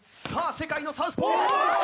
世界のサウスポー！